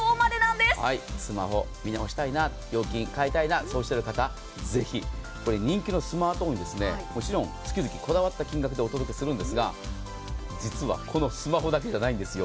スマホ、見直したいな、料金変えたいな、そうしたい方、ぜひ、人気のスマートフォン、もちろん月々こだわった金額でお届けするんですが、実はこのスマホだけじゃないんですよ。